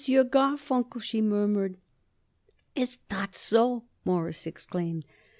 Garfunkel," she murmured. "Is that so?" Morris exclaimed.